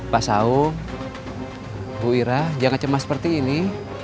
pak saung bu irah jangan cemas seperti ini